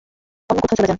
অন্য কোথাও চলে যান।